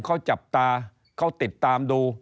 เขาจับตาเขาติดตามดู